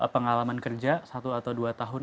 pengalaman kerja satu atau dua tahun